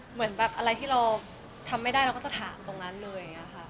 เหมือนแบบอะไรที่เราทำไม่ได้เราก็จะถามตรงนั้นเลยอย่างนี้ค่ะ